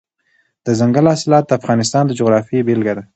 دځنګل حاصلات د افغانستان د جغرافیې بېلګه ده.